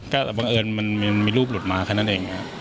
ก็บังเอิญมันมีรูปหลุดมาแค่นั้นเอง